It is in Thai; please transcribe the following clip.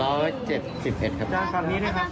อันนี้ด้วยครับ